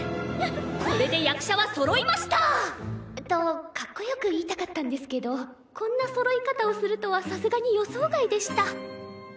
これで役者はそろいました！とかっこよく言いたかったんですけどこんなそろい方をするとはさすがに予想外でした。